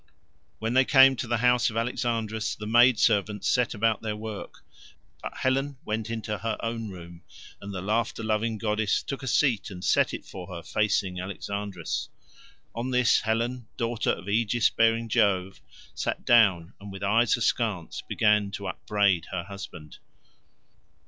When they came to the house of Alexandrus the maid servants set about their work, but Helen went into her own room, and the laughter loving goddess took a seat and set it for her facing Alexandrus. On this Helen, daughter of aegis bearing Jove, sat down, and with eyes askance began to upbraid her husband.